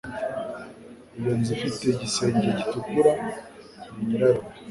Iyo nzu ifite igisenge gitukura ni nyirarume.